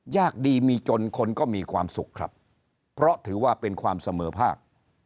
ยากดีมีจนคนก็มีความสุขครับเพราะถือว่าเป็นความเสมอภาค